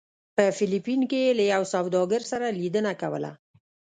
په فلپین کې یې له یو سوداګر سره لیدنه کوله.